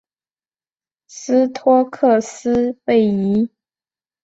斯托克斯位移。